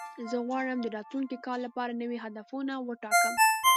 زه غواړم د راتلونکي کال لپاره نوي هدفونه وټاکم.